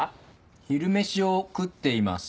昼飯を食っています。